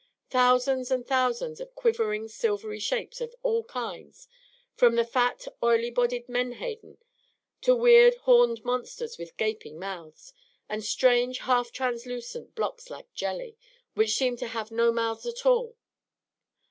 Thousands and thousands of quivering silvery shapes of all kinds, from the fat, oily bodied menhaden, to weird horned monsters with gaping mouths, and strange, half translucent blocks like jelly, which seemed to have no mouths at all.